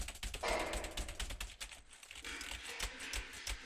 K „The Diamond Sea“ vyšel i videoklip.